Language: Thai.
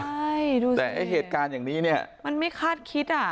ใช่ดูสิแต่ไอ้เหตุการณ์อย่างนี้เนี่ยมันไม่คาดคิดอ่ะ